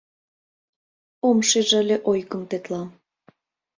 Ом шиж ыле ойгым тетла.